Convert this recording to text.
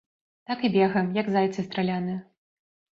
Так і бегаем, як зайцы страляныя.